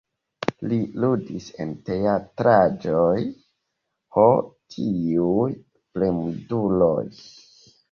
Li ludis en teatraĵoj "Ho, tiuj fremduloj!